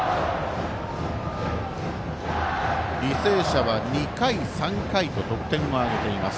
履正社は２回、３回と得点を挙げています。